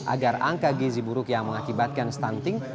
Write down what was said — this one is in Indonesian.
agar angka gizi buruk yang mengakibatkan stunting